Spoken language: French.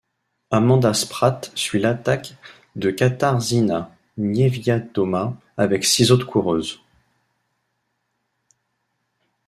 Amanda Spratt suit l'attaque de Katarzyna Niewiadoma avec six autres coureuses.